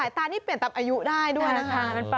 ตานี่เปลี่ยนตามอายุได้ด้วยนะคะ